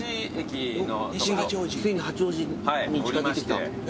ついに八王子に近づいてきた。